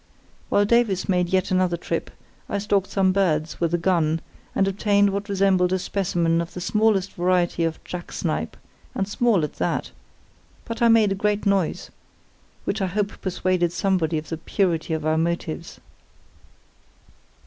While Davies made yet another trip, I stalked some birds with a gun, and obtained what resembled a specimen of the smallest variety of jack snipe, and small at that; but I made a great noise, which I hope persuaded somebody of the purity of our motives.